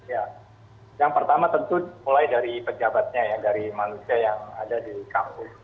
ya yang pertama tentu mulai dari pejabatnya ya dari manusia yang ada di kampus